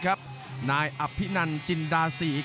และอัพพิวัตรสอสมนึก